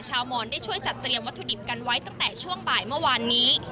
มอนได้ช่วยจัดเตรียมวัตถุดิบกันไว้ตั้งแต่ช่วงบ่ายเมื่อวานนี้